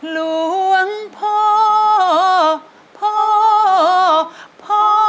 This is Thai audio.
หลวงพ่อพ่อพ่อ